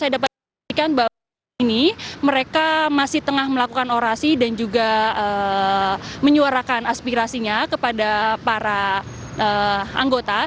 dan juga saya dapat mengatakan bahwa hari ini mereka masih tengah melakukan orasi dan juga menyuarakan aspirasinya kepada para anggota